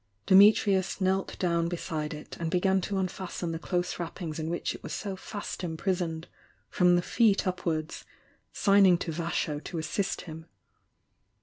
Di mitrius knelt down beside it and began to unfasten the close wrappings in which it was so fast impris oned, from the feet upwards, signing to Vasho to assist him.